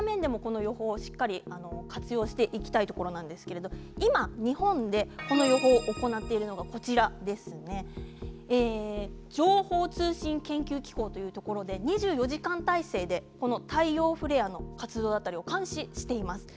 そういった面でもこの予報をしっかり活用していきたいところなんですけれど今、日本でこの予報を行っているのが情報通信研究機構というところで２４時間体制で太陽フレアの活動だったりを監修しています。